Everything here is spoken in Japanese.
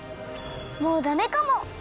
もうダメかも！